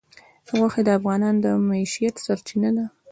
غوښې د افغانانو د معیشت سرچینه ده.